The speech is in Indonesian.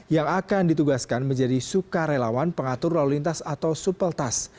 yang akan ditugaskan menjadi sukarelawan pengatur lalu lintas atau supeltas